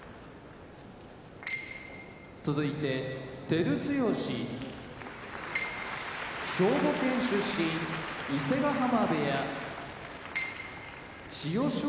照強兵庫県出身伊勢ヶ濱部屋千代翔